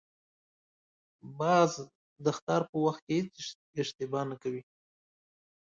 باز د ښکار په وخت هېڅ اشتباه نه کوي